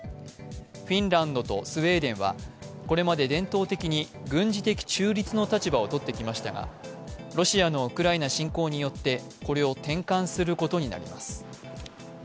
フィンランドとスウェーデンはこれまで伝統的に軍事的中立の立場をとってきましたがロシアのウクライナ侵攻によって、これを転換することになります。